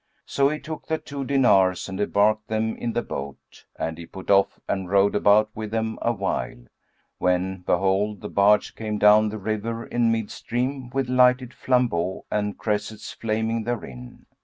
So he took the two dinars and embarked them in the boat; and he put off and rowed about with them awhile, when behold, the barge came down the river in mid stream, with lighted flambeaux and cressets flaming therein.